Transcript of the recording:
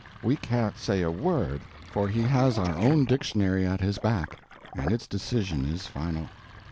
We can't say a word, for he has our own dictionary at his back, and its decision is final.